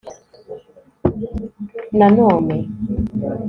بەش na none